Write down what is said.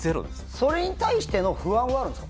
それに対しての不安はあるんですか？